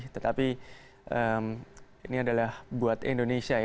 tetapi ini adalah buat indonesia